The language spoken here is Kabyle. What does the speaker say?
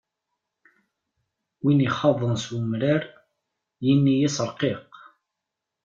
Win ixaḍen s umrar, yini-as ṛqiq.